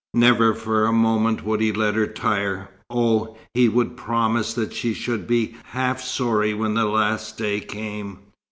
Never for a moment would he let her tire. Oh, he would promise that she should be half sorry when the last day came!